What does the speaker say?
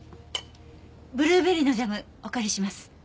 ブルーベリーのジャムお借りします。